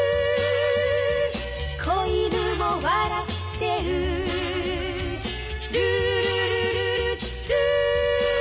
「小犬も笑ってる」「ルールルルルルー」